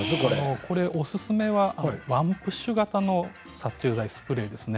おすすめはワンプッシュ型の殺虫剤スプレーです。